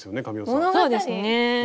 そうですね。